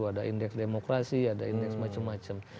ada indeks demokrasi ada indeks macem macem